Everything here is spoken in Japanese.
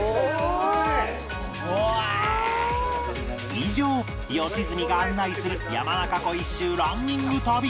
以上良純が案内する山中湖一周ランニング旅でした